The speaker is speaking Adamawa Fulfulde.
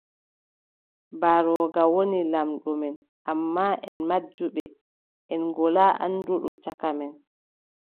Mbarooga woni laamɗo men, ammaa, en majjuɓe, en ngolaa annduɗo caka men.